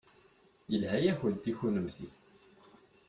Yelha-yakent i kunemti.